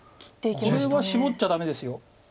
これはシボっちゃダメです。